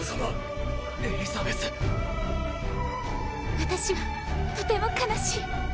私はとても悲しい。